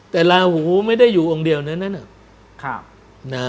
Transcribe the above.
แต่ลาหูไม่ได้อยู่องค์เดียวนั้น